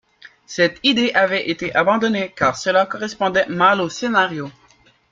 Cette idée avait été abandonnée, car cela correspondait mal au scénario.